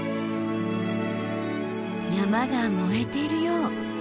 山が燃えているよう。